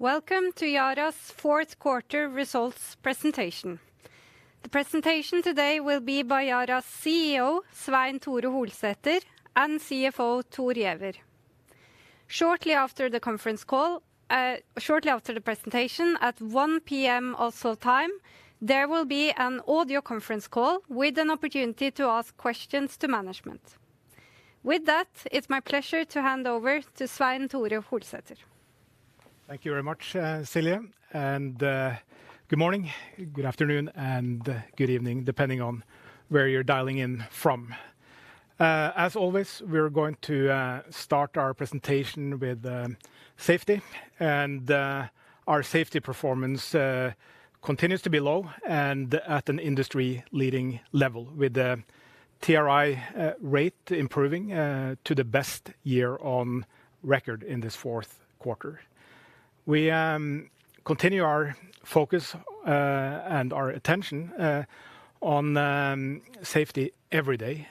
Welcome to Yara's fourth quarter results presentation. The presentation today will be by Yara's CEO, Svein Tore Holsether, and CFO, Thor Giæver. Shortly after the presentation at 1 P.M. Oslo time, there will be an audio conference call with an opportunity to ask questions to management. With that, it's my pleasure to hand over to Svein Tore Holsether. Thank you very much, Silje, and good morning, good afternoon, and good evening, depending on where you're dialing in from. As always, we're going to start our presentation with safety, and our safety performance continues to be low and at an industry-leading level with the TRI rate improving to the best year on record in this fourth quarter. We continue our focus and our attention on safety every day.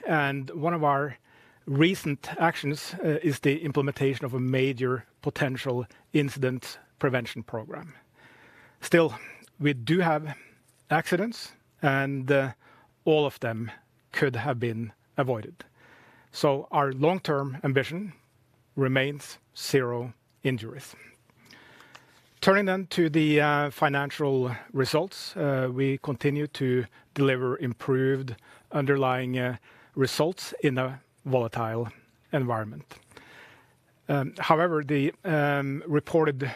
One of our recent actions is the implementation of a major potential incident prevention program. Still, we do have accidents, and all of them could have been avoided. Our long-term ambition remains zero injuries. Turning to the financial results, we continue to deliver improved underlying results in a volatile environment. However, the reported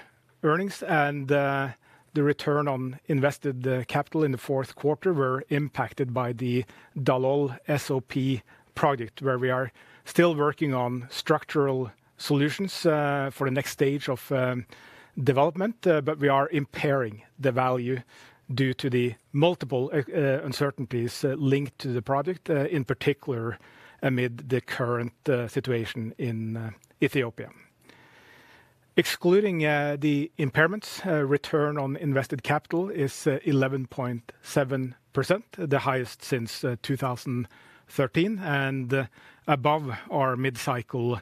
earnings and the return on invested capital in the fourth quarter were impacted by the Dallol SOP project, where we are still working on structural solutions for the next stage of development. We are impairing the value due to the multiple uncertainties linked to the project in particular amid the current situation in Ethiopia. Excluding the impairments, return on invested capital is 11.7%, the highest since 2013, and above our mid-cycle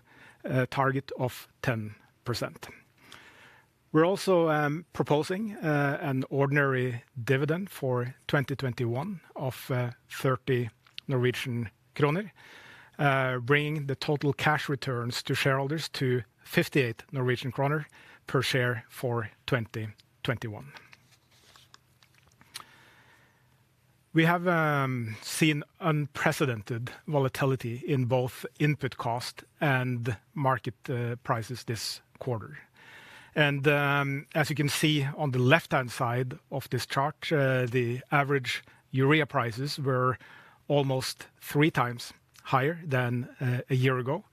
target of 10%. We're also proposing an ordinary dividend for 2021 of 30 Norwegian kroner, bringing the total cash returns to shareholders to 58 Norwegian kroner per share for 2021. We have seen unprecedented volatility in both input cost and market prices this quarter. As you can see on the left-hand side of this chart, the average Urea prices were almost 3 times higher than a year ago.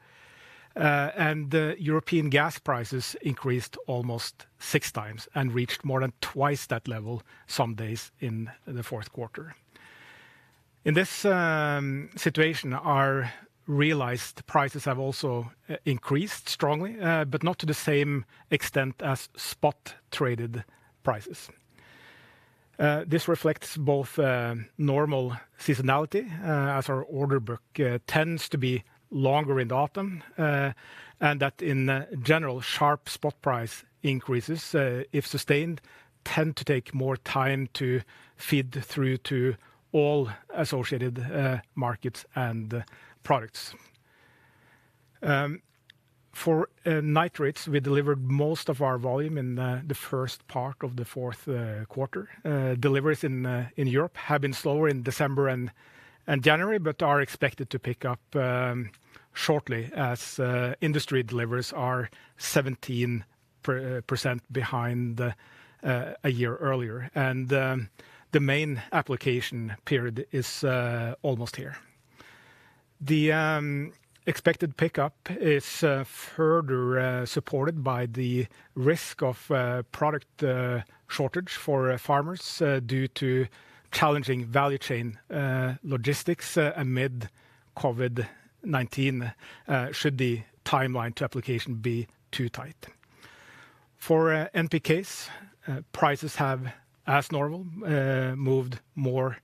European gas prices increased almost 6 times and reached more than 2 times that level some days in the fourth quarter. In this situation, our realized prices have also increased strongly, but not to the same extent as spot traded prices. This reflects both normal seasonality, as our order book tends to be longer in the autumn, and that in general, sharp spot price increases, if sustained, tend to take more time to feed through to all associated markets and products. For Nitrates, we delivered most of our volume in the first part of the fourth quarter. Deliveries in Europe have been slower in December and January, but are expected to pick up shortly as industry deliveries are 17% behind a year earlier. The main application period is almost here. The expected pickup is further supported by the risk of product shortage for farmers due to challenging value chain logistics amid COVID-19 should the timeline to application be too tight. For NPKs, prices have, as normal, moved more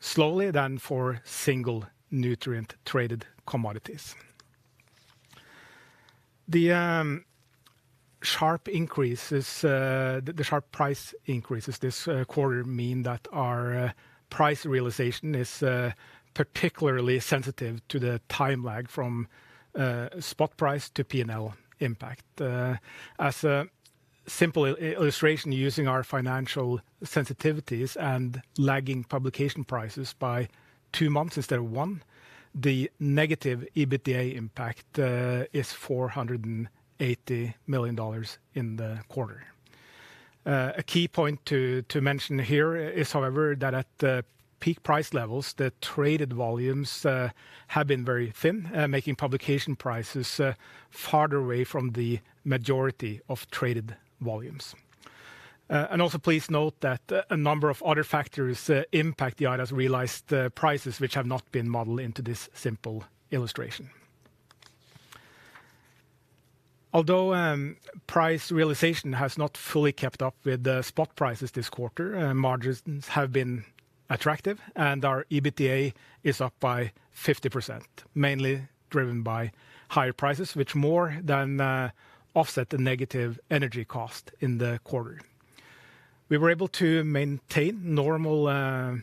slowly than for single nutrient traded commodities. The sharp price increases this quarter mean that our price realization is particularly sensitive to the time lag from spot price to P&L impact. As a simple illustration using our financial sensitivities and lagging publication prices by two months instead of one, the negative EBITDA impact is $480 million in the quarter. A key point to mention here is, however, that at the peak price levels, the traded volumes have been very thin, making publication prices farther away from the majority of traded volumes. Also please note that a number of other factors impact the items realized prices which have not been modeled into this simple illustration. Although price realization has not fully kept up with the spot prices this quarter, margins have been attractive and our EBITDA is up by 50%, mainly driven by higher prices, which more than offset the negative energy cost in the quarter. We were able to maintain normal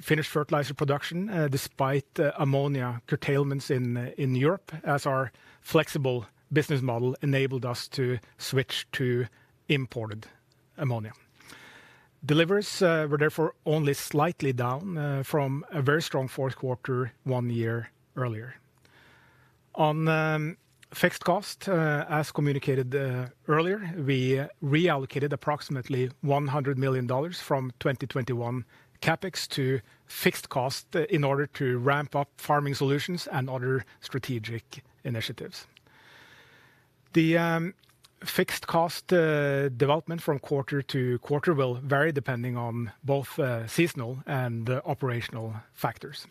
finished fertilizer production despite ammonia curtailments in Europe as our flexible business model enabled us to switch to imported ammonia. Deliveries were therefore only slightly down from a very strong fourth quarter one year earlier. On fixed cost, as communicated earlier, we reallocated approximately $100 million from 2021 CapEx to fixed cost in order to ramp up Farming Solutions and other strategic initiatives. The fixed cost development from quarter to quarter will vary depending on both seasonal and operational factors.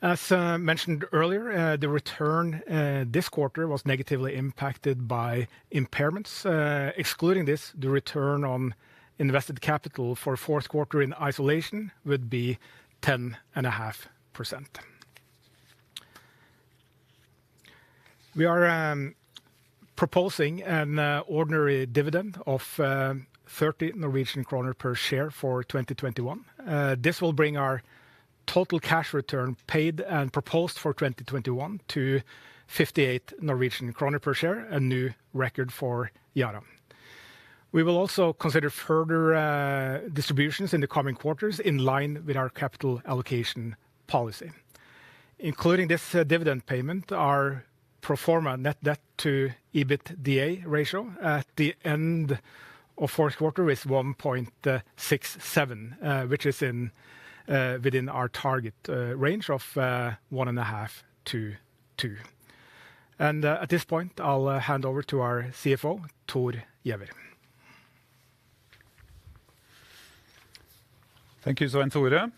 As mentioned earlier, the return this quarter was negatively impacted by impairments. Excluding this, the return on invested capital for fourth quarter in isolation would be 10.5%. We are proposing an ordinary dividend of 30 Norwegian kroner per share for 2021. This will bring our total cash return paid and proposed for 2021 to 58 Norwegian kroner per share, a new record for Yara. We will also consider further distributions in the coming quarters in line with our capital allocation policy. Including this dividend payment, our pro forma net debt to EBITDA ratio at the end of fourth quarter is 1.67, which is within our target range of 1.5-2. At this point, I'll hand over to our CFO, Thor Giæver. Thank you, Svein Tore.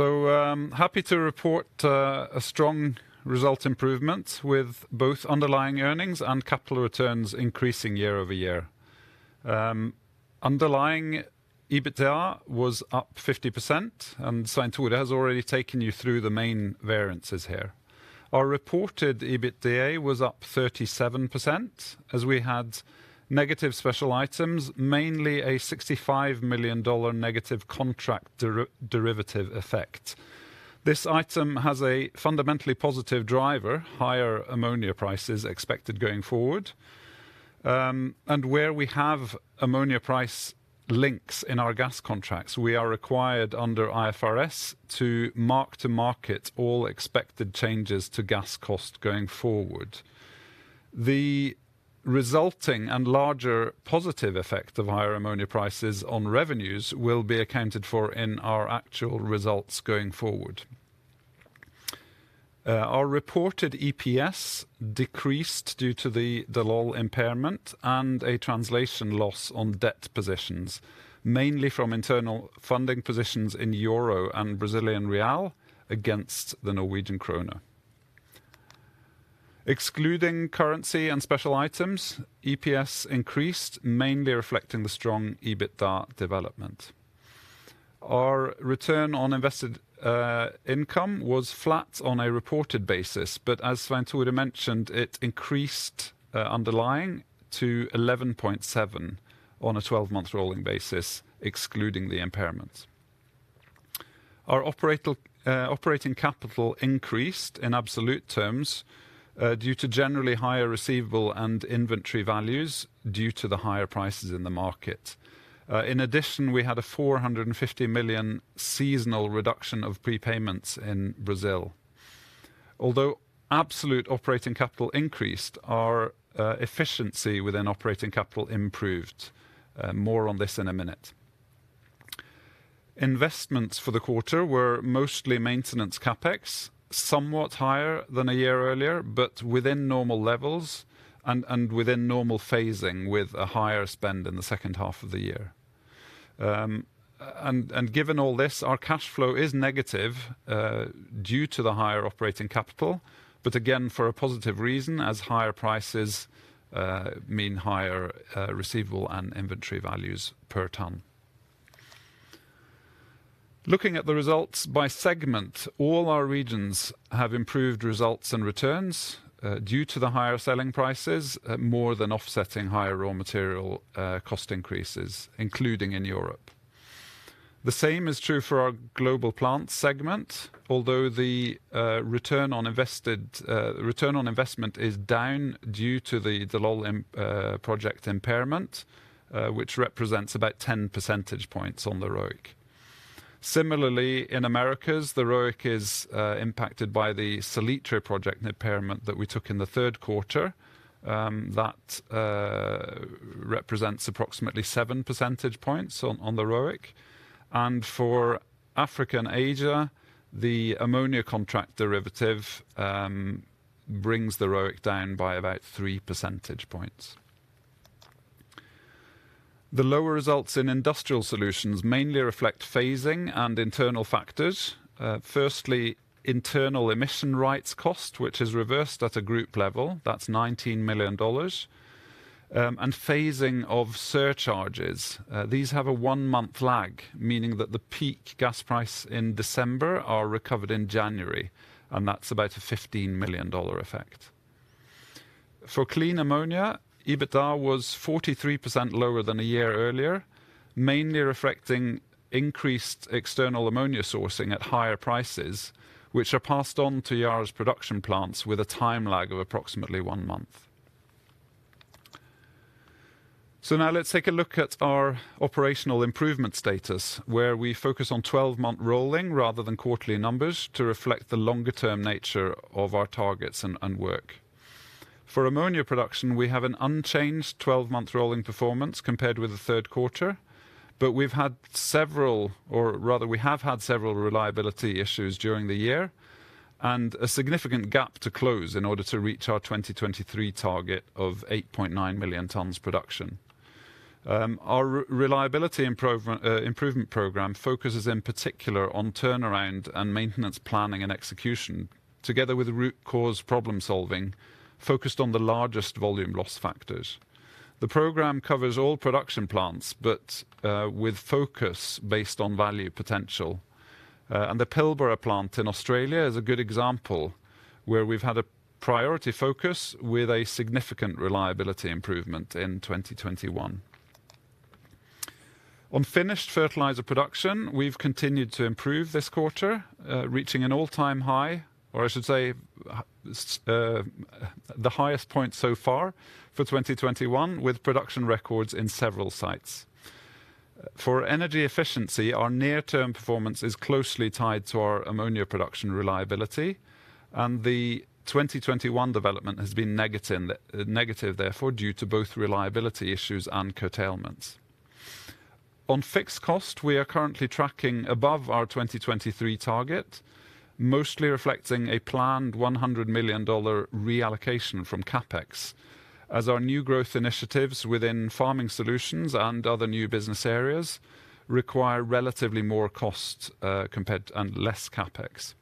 I'm happy to report a strong result improvement with both underlying earnings and capital returns increasing year-over-year. Underlying EBITDA was up 50%, and Svein Tore has already taken you through the main variances here. Our reported EBITDA was up 37% as we had negative special items, mainly a $65 million negative contract derivative effect. This item has a fundamentally positive driver, higher ammonia prices expected going forward. Where we have ammonia price links in our gas contracts, we are required under IFRS to mark-to-market all expected changes to gas cost going forward. The resulting and larger positive effect of higher ammonia prices on revenues will be accounted for in our actual results going forward. Our reported EPS decreased due to the Dallol impairment and a translation loss on debt positions, mainly from internal funding positions in EUR and Brazilian real against the Norwegian kroner. Excluding currency and special items, EPS increased, mainly reflecting the strong EBITDA development. Our return on invested capital was flat on a reported basis, but as Svein Tore mentioned, it increased underlying to 11.7% on a twelve-month rolling basis, excluding the impairment. Our operating capital increased in absolute terms due to generally higher receivable and inventory values due to the higher prices in the market. In addition, we had a $450 million seasonal reduction of prepayments in Brazil. Although absolute operating capital increased, our efficiency within operating capital improved. More on this in a minute. Investments for the quarter were mostly maintenance CapEx, somewhat higher than a year earlier, but within normal levels and within normal phasing with a higher spend in the second half of the year. Given all this, our cash flow is negative due to the higher operating capital, but again, for a positive reason, as higher prices mean higher receivable and inventory values per ton. Looking at the results by segment, all our regions have improved results and returns due to the higher selling prices, more than offsetting higher raw material cost increases, including in Europe. The same is true for our global plant segment, although the return on investment is down due to the Dallol project impairment, which represents about 10 percentage points on the ROIC. Similarly, in Americas, the ROIC is impacted by the Salitre project impairment that we took in the third quarter, that represents approximately 7 percentage points on the ROIC. For Africa and Asia, the ammonia contract derivative brings the ROIC down by about 3 percentage points. The lower results in Industrial Solutions mainly reflect phasing and internal factors. Firstly, internal emission rights cost, which is reversed at a group level, that's $19 million, and phasing of surcharges. These have a one-month lag, meaning that the peak gas price in December are recovered in January, and that's about a $15 million effect. For Clean Ammonia, EBITDA was 43% lower than a year earlier, mainly reflecting increased external ammonia sourcing at higher prices, which are passed on to Yara's production plants with a time lag of approximately one month. Now let's take a look at our operational improvement status, where we focus on twelve-month rolling rather than quarterly numbers to reflect the longer-term nature of our targets and work. For Ammonia Production, we have an unchanged twelve-month rolling performance compared with the third quarter, but we've had several, or rather we have had several reliability issues during the year and a significant gap to close in order to reach our 2023 target of 8.9 million tons production. Our reliability improvement program focuses in particular on turnaround and maintenance planning and execution together with root cause problem-solving focused on the largest volume loss factors. The program covers all production plants, but with focus based on value potential. The Pilbara plant in Australia is a good example where we've had a priority focus with a significant reliability improvement in 2021. On Finished Fertilizer Production, we've continued to improve this quarter, reaching an all-time high, or I should say, the highest point so far for 2021 with production records in several sites. For Energy Efficiency, our near-term performance is closely tied to our ammonia production reliability, and the 2021 development has been negative therefore, due to both reliability issues and curtailments. On Fixed Cost, we are currently tracking above our 2023 target, mostly reflecting a planned $100 million reallocation from CapEx as our new growth initiatives within Farming Solutions and other new business areas require relatively more cost and less CapEx.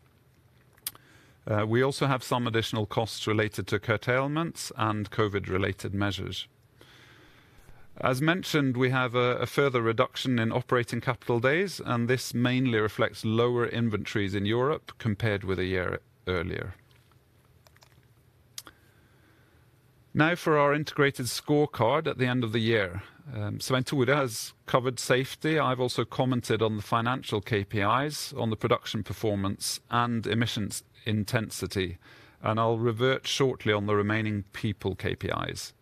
We also have some additional costs related to curtailments and COVID-related measures. As mentioned, we have a further reduction in operating capital days, and this mainly reflects lower inventories in Europe compared with a year earlier. Now for our integrated scorecard at the end of the year. Svein Tore has covered safety. I've also commented on the financial KPIs, on the production performance and emissions intensity, and I'll revert shortly on the remaining people KPIs.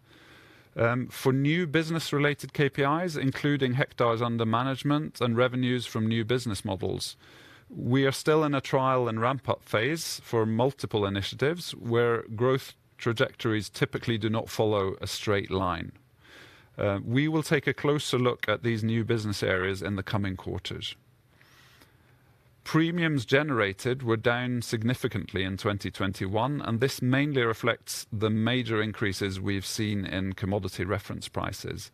For new business-related KPIs, including hectares under management and revenues from new business models, we are still in a trial and ramp-up phase for multiple initiatives where growth trajectories typically do not follow a straight line. We will take a closer look at these new business areas in the coming quarters. Premiums generated were down significantly in 2021, and this mainly reflects the major increases we've seen in commodity reference prices.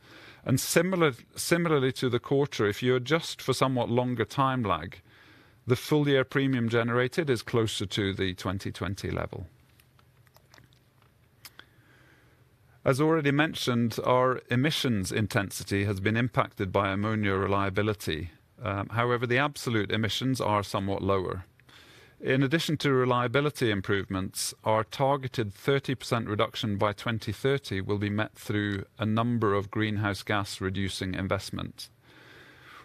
Similarly to the quarter, if you adjust for somewhat longer time lag, the full-year premium generated is closer to the 2020 level. As already mentioned, our emissions intensity has been impacted by ammonia reliability. However, the absolute emissions are somewhat lower. In addition to reliability improvements, our targeted 30% reduction by 2030 will be met through a number of greenhouse gas reducing investment.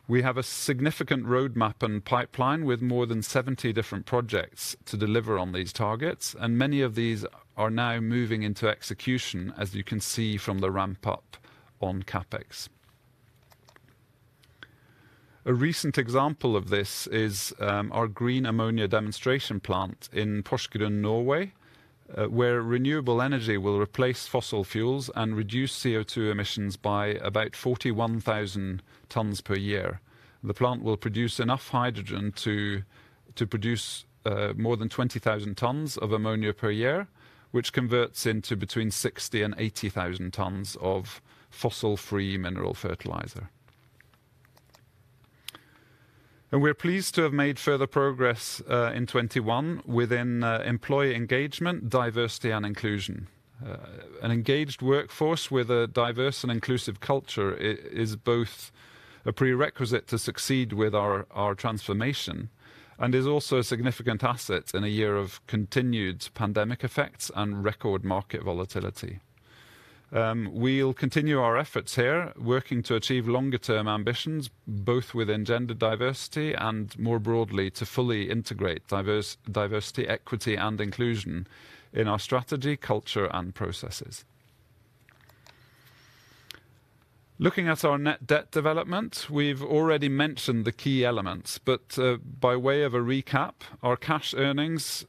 We have a significant roadmap and pipeline with more than 70 different projects to deliver on these targets, and many of these are now moving into execution, as you can see from the ramp-up on CapEx. A recent example of this is our green ammonia demonstration plant in Porsgrunn, Norway, where renewable energy will replace fossil fuels and reduce CO2 emissions by about 41,000 tons per year. The plant will produce enough hydrogen to produce more than 20,000 tons of ammonia per year, which converts into between 60,000 and 80,000 tons of fossil-free mineral fertilizer. We're pleased to have made further progress in 2021 within employee engagement, diversity and inclusion. An engaged workforce with a diverse and inclusive culture is both a prerequisite to succeed with our transformation and is also a significant asset in a year of continued pandemic effects and record market volatility. We'll continue our efforts here working to achieve longer term ambitions, both within gender diversity and more broadly to fully integrate diversity, equity and inclusion in our strategy, culture and processes. Looking at our net debt development, we've already mentioned the key elements, but by way of a recap, our cash earnings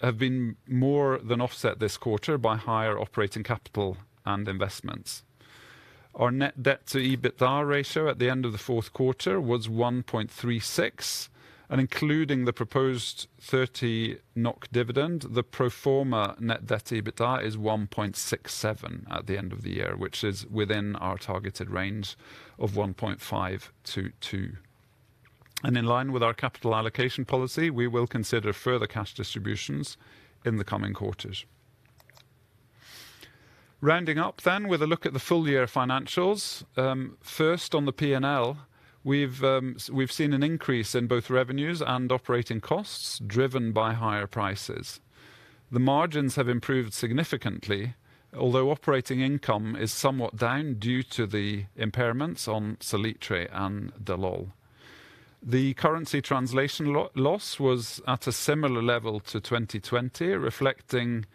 have been more than offset this quarter by higher operating capital and investments. Our net debt to EBITDA ratio at the end of the fourth quarter was 1.36, and including the proposed 30 NOK dividend, the pro forma net debt to EBITDA is 1.67 at the end of the year, which is within our targeted range of 1.5-2. In line with our capital allocation policy, we will consider further cash distributions in the coming quarters. Rounding up with a look at the full year financials. First on the P&L, we've seen an increase in both revenues and operating costs driven by higher prices. The margins have improved significantly, although operating income is somewhat down due to the impairments on Salitre and Dallol. The currency translation loss was at a similar level to 2020, reflecting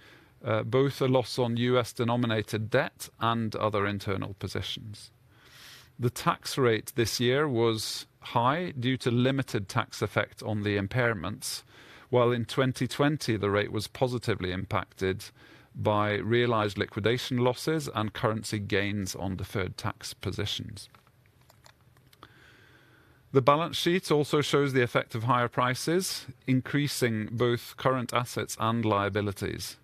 both a loss on U.S. denominated debt and other internal positions. The tax rate this year was high due to limited tax effect on the impairments, while in 2020 the rate was positively impacted by realized liquidation losses and currency gains on deferred tax positions. The balance sheet also shows the effect of higher prices, increasing both current assets and liabilities.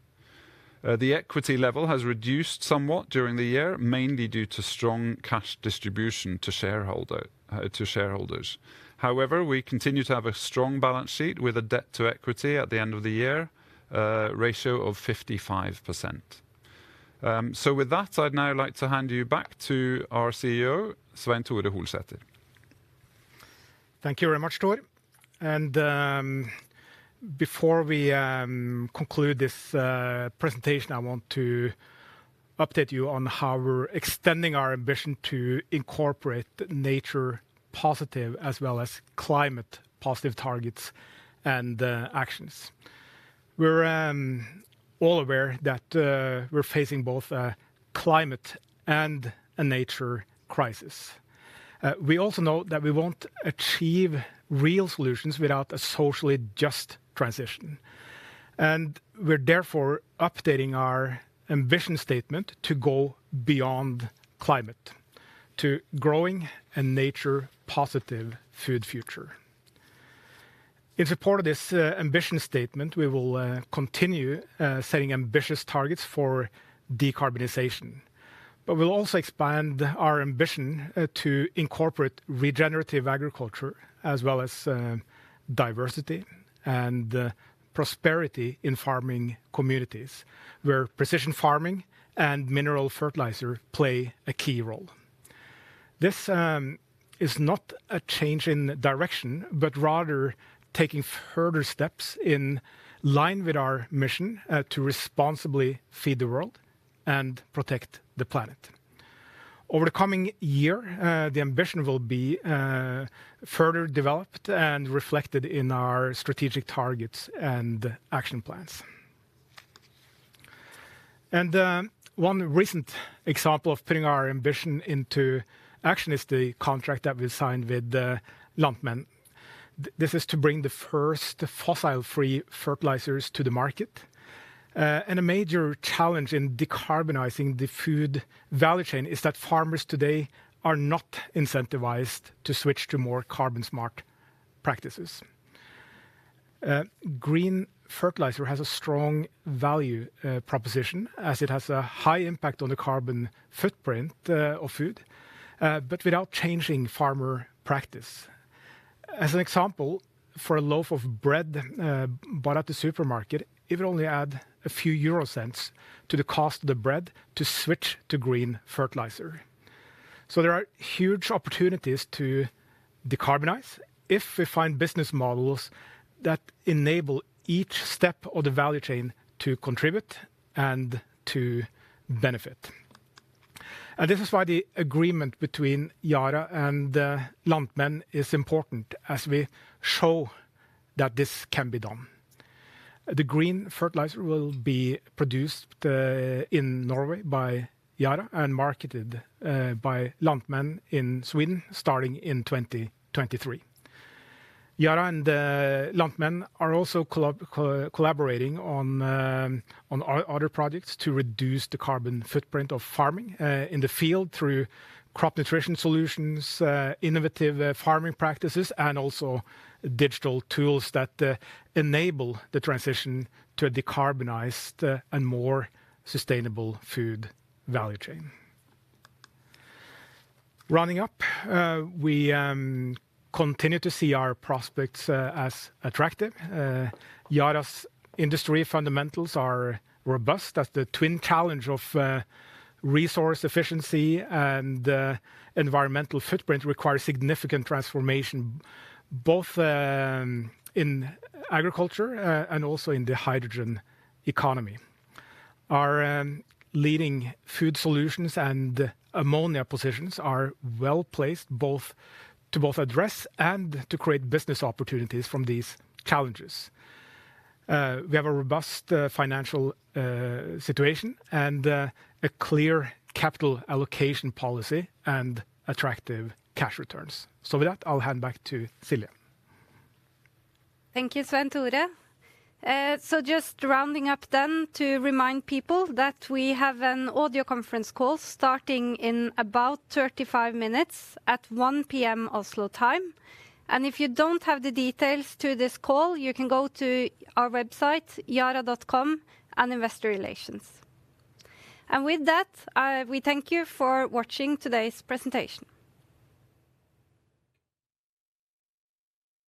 The equity level has reduced somewhat during the year, mainly due to strong cash distribution to shareholders. However, we continue to have a strong balance sheet with a debt-to-equity ratio at the end of the year of 55%. With that, I'd now like to hand you back to our CEO, Svein Tore Holsether. Thank you very much, Thor. Before we conclude this presentation, I want to update you on how we're extending our ambition to incorporate nature positive as well as climate positive targets and actions. We're all aware that we're facing both a climate and a nature crisis. We also know that we won't achieve real solutions without a socially just transition, and we're therefore updating our ambition statement to go beyond climate, to growing a nature positive food future. In support of this ambition statement, we will continue setting ambitious targets for decarbonization. We'll also expand our ambition to incorporate regenerative agriculture as well as diversity and prosperity in farming communities where precision farming and mineral fertilizer play a key role. This is not a change in direction, but rather taking further steps in line with our mission to responsibly feed the world and protect the planet. Over the coming year, the ambition will be further developed and reflected in our strategic targets and action plans. One recent example of putting our ambition into action is the contract that we signed with Lantmännen. This is to bring the first fossil-free fertilizers to the market. A major challenge in decarbonizing the food value chain is that farmers today are not incentivized to switch to more carbon smart practices. Green fertilizer has a strong value proposition as it has a high impact on the carbon footprint of food but without changing farmer practice. As an example, for a loaf of bread, bought at the supermarket, it would only add a few euro cents to the cost of the bread to switch to green fertilizer. There are huge opportunities to decarbonize if we find business models that enable each step of the value chain to contribute and to benefit. This is why the agreement between Yara and Lantmännen is important as we show that this can be done. The green fertilizer will be produced in Norway by Yara and marketed by Lantmännen in Sweden starting in 2023. Yara and Lantmännen are also collaborating on other projects to reduce the carbon footprint of farming in the field through crop nutrition solutions, innovative farming practices, and also digital tools that enable the transition to a decarbonized and more sustainable food value chain. Rounding up, we continue to see our prospects as attractive. Yara's industry fundamentals are robust as the twin challenge of resource efficiency and environmental footprint require significant transformation both in agriculture and also in the hydrogen economy. Our leading food solutions and ammonia positions are well placed both to address and to create business opportunities from these challenges. We have a robust financial situation and a clear capital allocation policy and attractive cash returns. With that, I'll hand back to Silje. Thank you, Svein Tore. Just rounding up then to remind people that we have an audio conference call starting in about 35 minutes at 1 P.M. Oslo time. If you don't have the details to this call, you can go to our website, yara.com, and Investor Relations. With that, we thank you for watching today's presentation.